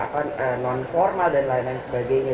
non formal dan lain lain sebagainya